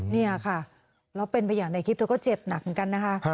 นี่ค่ะแล้วเป็นไปอย่างในคลิปเธอก็เจ็บหนักเหมือนกันนะคะ